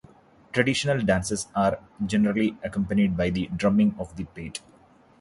Traditional dances are generally accompanied by the drumming of the pate.